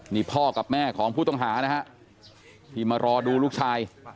นี่พ่อกับแม่ของผู้ต้องหานะฮะที่มารอดูลูกชาย